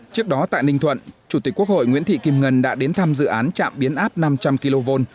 trước đó tại ninh thuận chủ tịch quốc hội nguyễn thị kim ngân đã đến thăm dự án trạm biến áp năm trăm linh kv